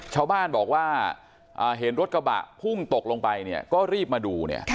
ชาวบ้านบอกว่าเห็นรถกระบะพุ่งตกลงไปก็รีบมาดู